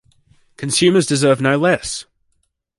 Consumers deserve no less.